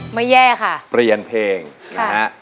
แย่ค่ะเปลี่ยนเพลงนะฮะ